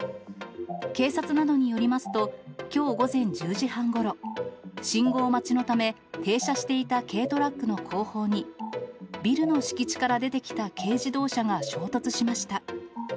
警察などによりますと、きょう午前１０時半ごろ、信号待ちのため停車していた軽トラックの後方に、ビルの敷地から出てきた軽自動車が衝突しました。